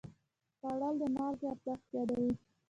خوړل د مالګې ارزښت یادوي